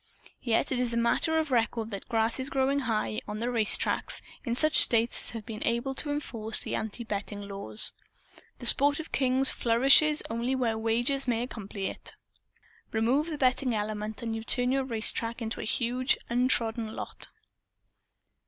Yet it is a matter of record that grass is growing high, on the race tracks, in such states as have been able to enforce the anti betting laws. The "sport of kings" flourishes only where wagers may accompany it. Remove the betting element, and you turn your racetrack into a huge and untrodden lot.